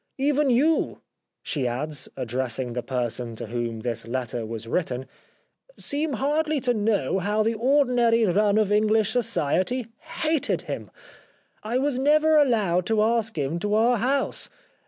... Even you," she adds, addressing the person to whom this letter was written, " seem hardly to know how the ordinary run of English society hated him. I was never allowed to ask him to our house.